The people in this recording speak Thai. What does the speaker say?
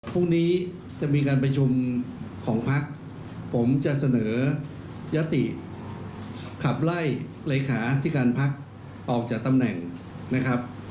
พรุ่งนี้จะมีการประชุมของพักผมจะเสนอยติขับไล่เลขาที่การพักออกจากตำแหน่งนะครับ